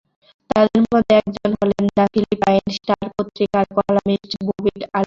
তাঁদের মধ্যে একজন হলেন দ্য ফিলিপাইন স্টার পত্রিকার কলামিস্ট ববিট আভিলা।